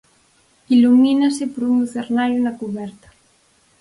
Ilumínase por un lucernario na cuberta.